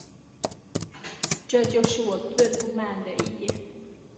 这就是我最不满的一点